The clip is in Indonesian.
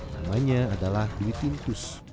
namanya adalah dewi tintus